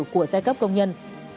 của giai cấp công nhân